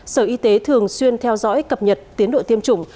sở y tế thường xuyên theo dõi cập nhật tiến độ tiêm chủng